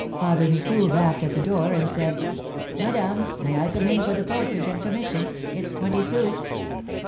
Father Micou rapped at the door, and said: "Madame, may I come in for the postage and commission? It's twenty sous."